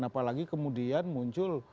apalagi kemudian muncul